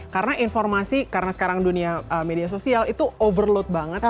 karena informasi karena sekarang dunia media sosial itu overload banget